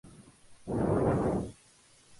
Pertenece a la comarca de Órdenes.